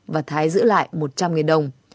và thái giữ lại một trăm linh đồng